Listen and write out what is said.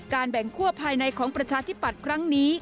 แบ่งคั่วภายในของประชาธิปัตย์ครั้งนี้